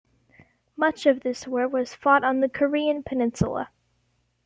Much of this war was fought on the Korean Peninsula.